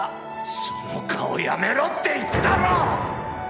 その顔やめろって言ったろ！